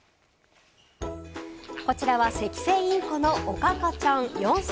こちらはセキセイインコのおかかちゃん、４歳。